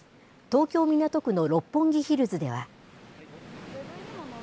東京・港区の六本木ヒルズでは。